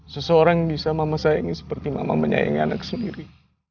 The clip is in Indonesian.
seseorang bisa mama sayangi seperti mama menyaingi anak sendiri